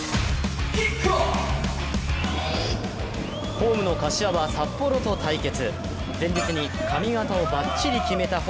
ホームの柏は札幌と対決。